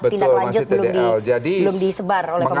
tindak lanjut belum disebar oleh pemerintah